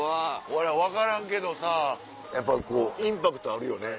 俺分からんけどさやっぱこうインパクトあるよね。